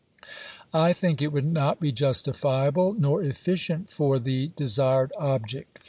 I think it would not be jus tifiable, nor efQcient for the desired object.